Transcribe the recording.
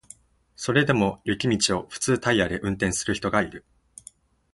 それでも雪道を普通タイヤで運転する人がいる